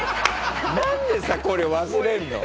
「なんでさこれ忘れるの？」